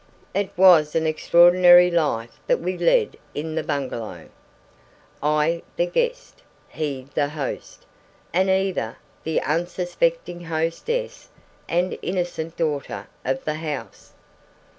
"It was an extraordinary life that we led in the bungalow, I the guest, he the host, and Eva the unsuspecting hostess and innocent daughter of the house.